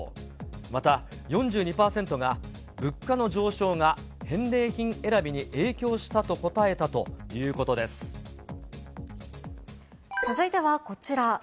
また４２％が物価の上昇が返礼品選びに影響したと答えたというこ続いてはこちら。